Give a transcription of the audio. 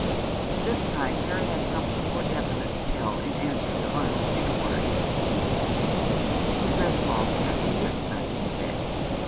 And this time Mary had some thing more definite to tell in answer to Arnold's inquiry. " Mr. Greswold can't be here to night," she said.